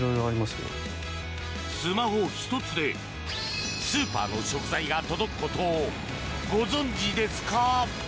スマホ１つでスーパーの食材が届くことを、ご存じですか？